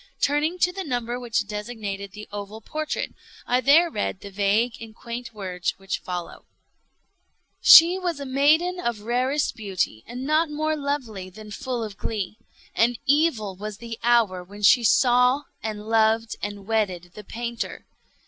Turning to the number which designated the oval portrait, I there read the vague and quaint words which follow: "She was a maiden of rarest beauty, and not more lovely than full of glee. And evil was the hour when she saw, and loved, and wedded the painter.